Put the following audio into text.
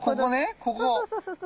そうそうそうそうそう。